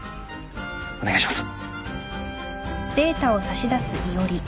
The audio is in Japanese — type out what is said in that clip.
お願いします